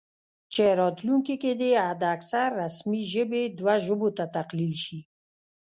چې راتلونکي کې دې حد اکثر رسمي ژبې دوه ژبو ته تقلیل شي